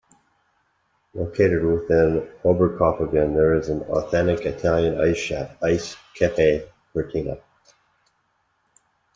Located within Oberkaufungen, there is an authentic Italian Ice shop, Eis Cafe Cortina.